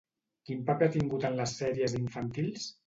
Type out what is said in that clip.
Quin paper ha tingut en les sèries infantils?